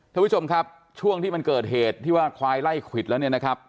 ท่านผู้ชมครับช่วงที่มันเกิดเหตุที่ว่าควายไล่ควิดแล้วเนี่ยนะครับ